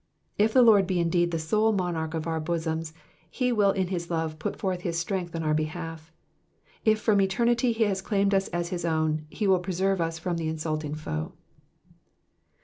If the Lord be indeed the sole monarch of our bosoms, he will in his love put forth his strength on our behalf ; if from eternity he has claimed us as his own, he will preserve us from the insulting foe.